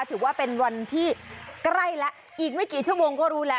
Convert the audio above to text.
ถือว่าเป็นวันที่ใกล้แล้วอีกไม่กี่ชั่วโมงก็รู้แล้ว